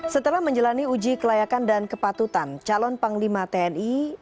setelah menjalani uji kelayakan dan kepatutan calon panglima tni